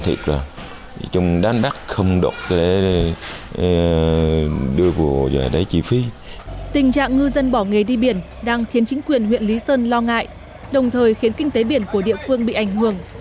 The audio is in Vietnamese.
tình trạng ngư dân bỏ nghề đi biển đang khiến chính quyền huyện lý sơn lo ngại đồng thời khiến kinh tế biển của địa phương bị ảnh hưởng